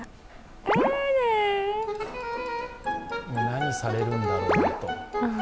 何されるんだろう？と。